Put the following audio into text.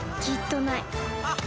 きっとない。